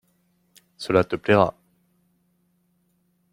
Cela te plaira.